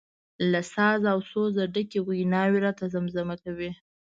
له ساز او سوزه ډکې ویناوي راته زمزمه کوي.